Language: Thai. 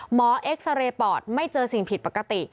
เอ็กซาเรย์ปอดไม่เจอสิ่งผิดปกติ